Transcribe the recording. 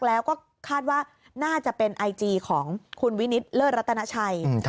แล้วก็คาดว่าน่าจะเป็นไอจีของคุณวินิตเลิศรัตนาชัย